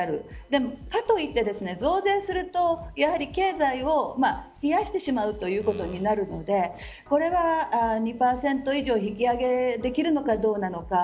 でも、かといって増税するとやはり経済を冷やしてしまうということになるのでこれは２％以上引き上げができるのかどうなのか。